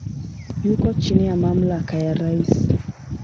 Yuko chini ya mamlaka ya rais.